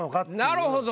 なるほど。